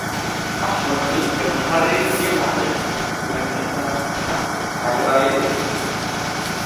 Allwch chi gymharu fy nheimladau i mewn perthynas â Catherine â'i rai ef?